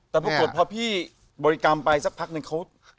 แต่ปรากฏพอพี่บริกรรมไปสักพักนึงเขา